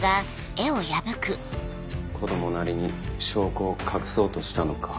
子供なりに証拠を隠そうとしたのか。